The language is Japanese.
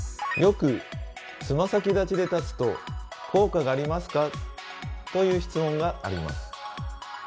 よくつま先立ちで立つと効果がありますか？という質問があります。